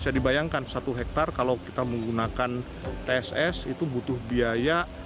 bisa dibayangkan satu hektar kalau kita menggunakan tss itu butuh biaya